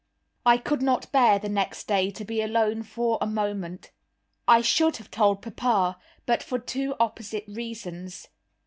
I could not bear next day to be alone for a moment. I should have told papa, but for two opposite reasons.